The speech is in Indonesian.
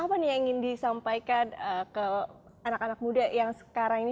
apa nih yang ingin disampaikan ke anak anak muda yang sekarang ini